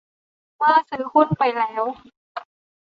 เมื่อซื้อหุ้นไปแล้ว